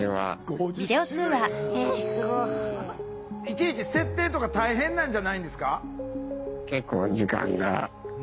いちいち設定とか大変なんじゃないんですか？